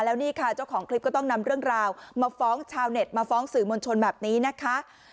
แล้วนี่ค่ะเจ้าของคลิปก็ต้องนำเรื่องราวมาฟ้องชาวเน็ตมาฟ้องสื่อมวลชนแบบนี้นะคะ